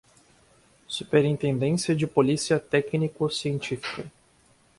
Superintendência de polícia técnico-científica